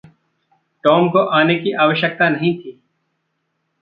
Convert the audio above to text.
Tom को आने की आवश्यकता नहीं थी।